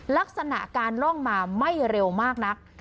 ลักษณะการล่องมาไม่เร็วมากนัก